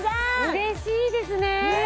うれしいですね